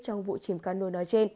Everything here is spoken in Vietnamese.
trong vụ chìm cano nói trên